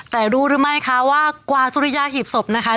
แต่รู้หรือไม่คะว่ากว่าสุริยาหีบศพนะคะ